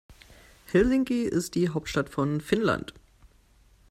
Helsinki ist die Hauptstadt von Finnland.